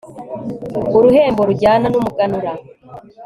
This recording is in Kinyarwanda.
uruhembo rujyana n'umuganura